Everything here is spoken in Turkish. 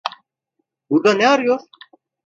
Burada ne arıyor?